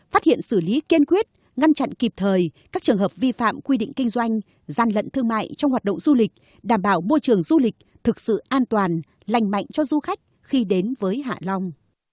phát hiện xử lý kiên quyết ngăn chặn kịp thời các trường hợp vi phạm quy định kinh doanh gian lận thương mại trong hoạt động du lịch đảm bảo môi trường du lịch thực sự an toàn lành mạnh cho du khách khi đến với hạ long